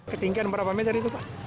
ketinggian berapa meter itu pak